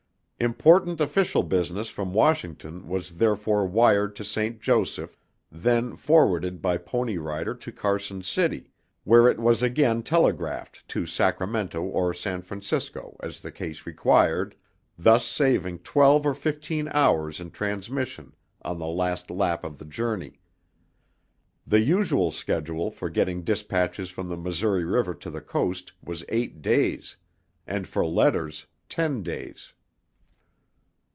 Important official business from Washington was therefore wired to St. Joseph, then forwarded by pony rider to Carson City where it was again telegraphed to Sacramento or San Francisco as the case required, thus saving twelve or fifteen hours in transmission on the last lap of the journey. The usual schedule for getting dispatches from the Missouri River to the Coast was eight days, and for letters, ten days.